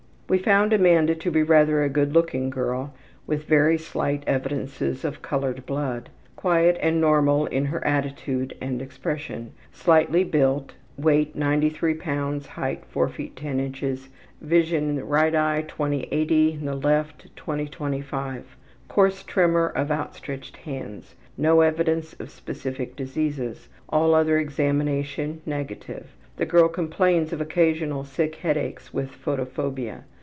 We found Amanda to be rather a good looking girl with very slight evidences of colored blood. Quiet and normal in her attitude and expression. Slightly built weight 93 lbs.; height 4 ft. 10 in. Vision R. 20/80, L. 20/25. Coarse tremor of outstretched hands. No evidence of specific disease. All other examination negative. The girl complains of occasional sick headaches with photophobia.